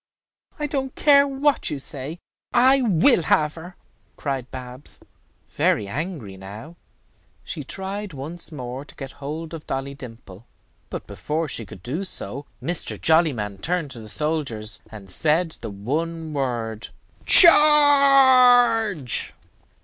"I don't care what you say; I will have her," cried Babs, very angry now. She tried once more to get hold of Dolly Dimple; but before she could do so, Mr. Jollyman turned to the soldiers, and said the one word, "Charge."